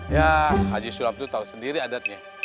ya aji sulam tuh tahu sendiri adatnya